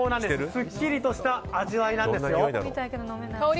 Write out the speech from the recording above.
すっきりとした味わいなんですよ。